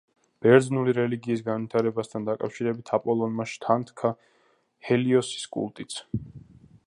ბერძნული რელიგიის განვითარებასთან დაკავშირებით აპოლონმა შთანთქა ჰელიოსის კულტიც.